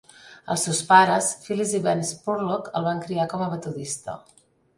Els seus pares, Phyllis i Ben Spurlock, el van criar com a metodista.